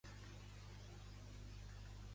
La religió majoritària és l'islam.